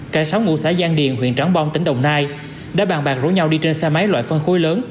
cả sáu ngũ xã giang điền huyện trắng bom tỉnh đồng nai đã bàn bạc rối nhau đi trên xe máy loại phân khối lớn